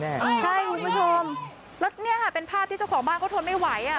ใช่คุณผู้ชมแล้วเนี่ยค่ะเป็นภาพที่เจ้าของบ้านเขาทนไม่ไหวอ่ะ